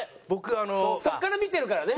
そこから見てるからね。